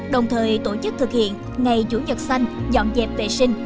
đồng thời tổ chức thực hiện ngày chủ nhật xanh dọn dẹp vệ sinh